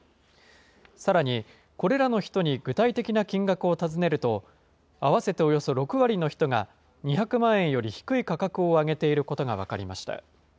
さらに、これらの人に具体的な金額を尋ねると、合わせておよそ６割の人が、２００万円より低い価格を挙げていることが分かりました。